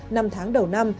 năm tháng đầu năm